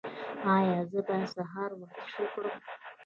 ایا زه باید سهار ورزش وکړم؟